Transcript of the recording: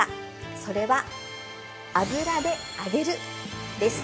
それは、油で揚げるです。